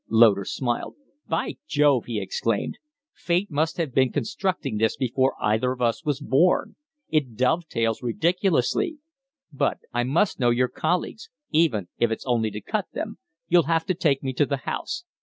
Loder smiled. "By Jove!" he exclaimed. "Fate Must have been constructing this before either of us was born. It dovetails ridiculously. But I must know your colleagues even if it's only to cut them. You'll have to take me to the House."